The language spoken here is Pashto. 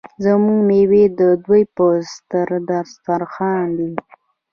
زموږ میوې د دوی په دسترخان دي.